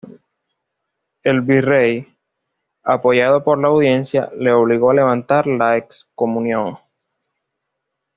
El virrey, apoyado por la Audiencia, le obligó a levantar la excomunión.